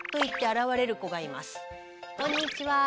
こんにちは。